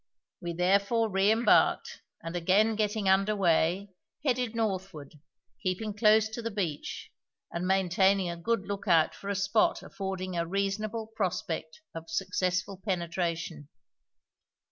We therefore re embarked and, again getting under way, headed northward, keeping close to the beach and maintaining a good look out for a spot affording a reasonable prospect of successful penetration.